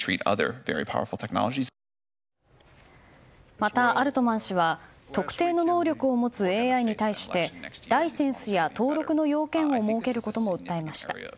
また、アルトマン氏は特定の能力を持つＡＩに対してライセンスや登録の要件を設けることも訴えました。